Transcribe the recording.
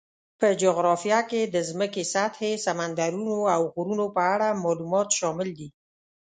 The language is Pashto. په جغرافیه کې د ځمکې سطحې، سمندرونو، او غرونو په اړه معلومات شامل دي.